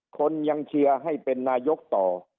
คนยังเชียร์ให้เป็นนายกต่อ